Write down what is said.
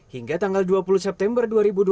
hingga tanggal dua puluh september dua ribu dua puluh